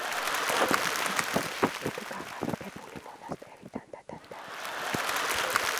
ამის შემდეგ, გაღარიბებული მონასტერი თანდათან დაიშალა.